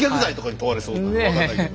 分かんないけど。